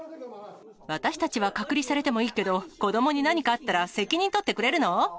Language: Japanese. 私たちは隔離されてもいいけど、子どもに何かあったら、責任取ってくれるの？